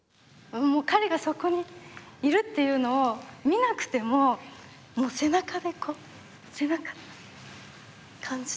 彼がそこにいるっていうのを見なくてももう背中でこう。